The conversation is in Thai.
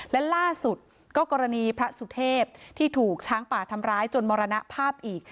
และล่าสุดก็กรณีพระสุเทพที่ถูกช้างป่าทำร้ายจนมรณภาพอีก